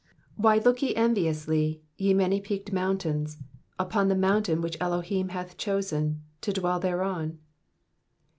17 Why look ye enviously, ye many peaked mountains. Upon the mountain which Elohim hath chosen, to dwell thereon